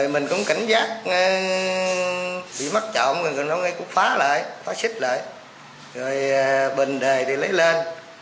mình cũng cảnh giác bị mất trộm rồi cũng phá lại phá xếp lại rồi bình đề thì lấy lên